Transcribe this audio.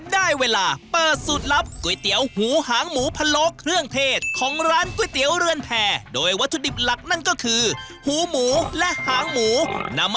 ได้เวลาเปิดสูตรลับ